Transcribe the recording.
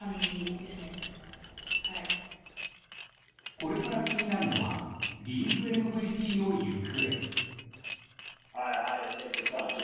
これから気になるのはリーグＭＶＰの行方。